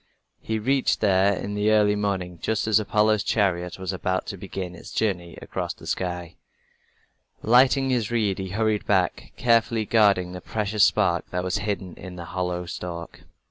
He reached there in the early morning, just as Apollo's chariot was about to begin its journey across the sky. Lighting his reed, he hurried back, carefully guarding the precious spark that was hidden in the hollow stalk.